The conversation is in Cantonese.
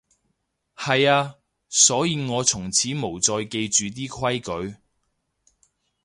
係啊，所以我從此無再記住啲規矩